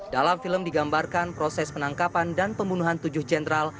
dalam film digambarkan proses penangkapan dan pembunuhan tujuh jenderal